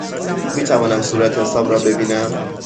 می توانم صورتحساب را ببینم؟